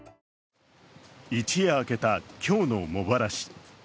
一夜明けた今日の茂原市。